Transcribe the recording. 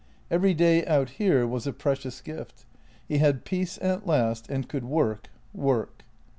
Every day out here was a precious gift. He had peace at last and could work, work.